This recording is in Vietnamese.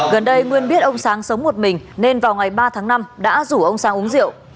gần đây nguyên biết ông sáng sống một mình nên vào ngày ba tháng năm đã rủ ông sang uống rượu